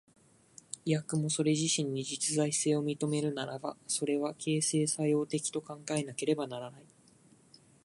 いやしくもそれ自身に実在性を認めるならば、それは形成作用的と考えられねばならない。